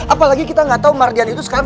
apalagi kita nggak tahu mardian itu sekarang